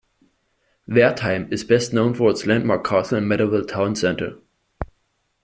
Wertheim is best known for its landmark castle and medieval town centre.